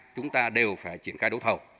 chúng ta đều phải triển khai đấu thầu